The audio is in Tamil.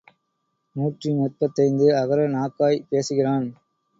நூற்றி முப்பத்தைந்து அகர நாக்காய்ப் பேசுகிறான்.